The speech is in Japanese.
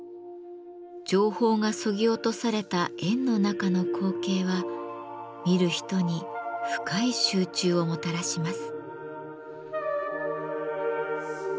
情報がそぎ落とされた円の中の光景は見る人に深い集中をもたらします。